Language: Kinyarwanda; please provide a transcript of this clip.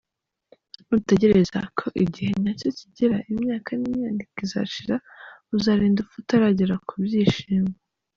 Nutegereza ko igihe nyacyo kigera, imyaka n’imyaniko izashira, uzarinda upfa utaragera ku byishimo.